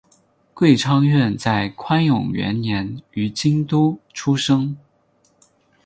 桂昌院在宽永元年于京都出生。